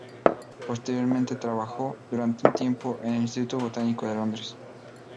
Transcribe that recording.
Posteriormente, trabajó durante un tiempo en el Instituto Botánico de Londres.